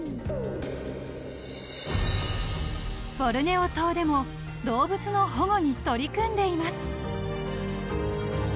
［ボルネオ島でも動物の保護に取り組んでいます］